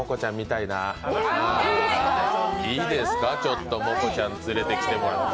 いいですか、モコちゃん連れてきてもらって。